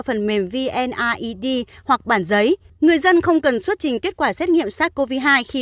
phần mềm vne hoặc bản giấy người dân không cần xuất trình kết quả xét nghiệm sars cov hai khi